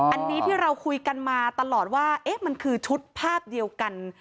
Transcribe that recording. อันนี้ที่เราคุยกันมาตลอดว่ามันคือชุดภาพเดียวกัน